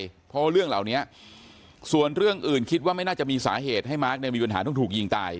เพราะว่าเรื่องเหล่านี้ส่วนเรื่องอื่นคิดว่าไม่น่าจะมีสาเหตุให้มาร์คเนี่ยมีปัญหาต้องถูกยิงตาย